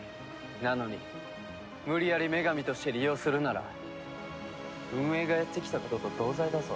なのに無理やり女神として利用するなら運営がやってきたことと同罪だぞ。